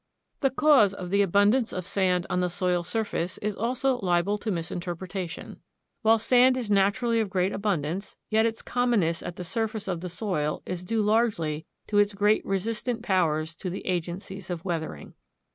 The cause of the abundance of sand on the soil surface is also liable to misinterpretation. While sand is naturally of great abundance, yet its commonness at the surface of the soil is due largely to its great resistant powers to the agencies of weathering.